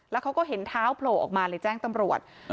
แล้วเขาก็เห็นเท้าโผล่ออกมาเลยแจ้งตำรวจ